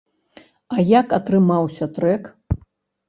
А як атрымаўся трэк?